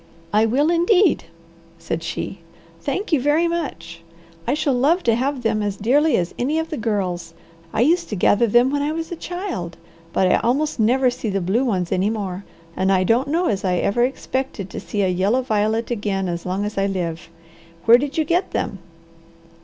"I will indeed," said she. "Thank you very much! I shall love to have them as dearly as any of the girls. I used to gather them when I was a child, but I almost never see the blue ones any more, and I don't know as I ever expected to see a yellow violet again as long as I live. Where did you get them?"